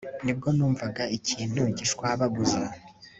nibwo numvaga ikintu gishwabaguza